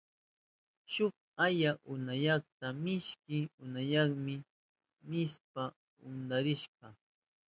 Shuk aya upyanata mishki upyanami nishpa hudiwashka.